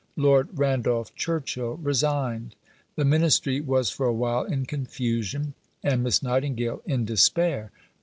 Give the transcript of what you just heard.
Lord Randolph Churchill resigned. The Ministry was for a while in confusion, and Miss Nightingale in despair.